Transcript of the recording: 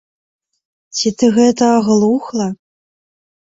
Ці ты гэта аглухла?